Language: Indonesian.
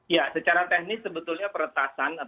ya secara teknis sebetulnya peretasan